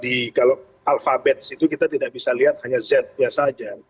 kita harus melihat ini kan jangan cuma di alfabet itu kita tidak bisa lihat hanya z nya saja